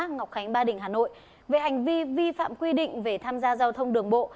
ngọc khánh ba đình hà nội về hành vi vi phạm quy định về tham gia giao thông đường bộ